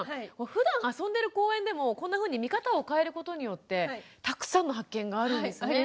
ふだんあそんでる公園でもこんなふうに見方を変えることによってたくさんの発見があるんですね。